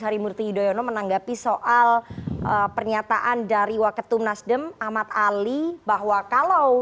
harimurti yudhoyono menanggapi soal pernyataan dari waketum nasdem ahmad ali bahwa kalau